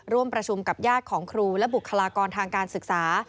ร่วมประชุมกับญาติของครูและบุคลากรทางการศึกษา